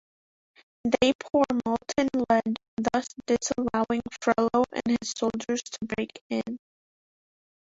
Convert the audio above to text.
They pour molten lead, thus disallowing Frollo and his soldiers to break in.